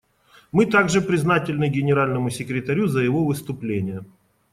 Мы также признательны Генеральному секретарю за его выступление.